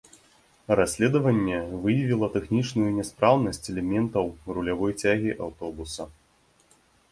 Расследаванне выявіла тэхнічную няспраўнасць элементаў рулявой цягі аўтобуса.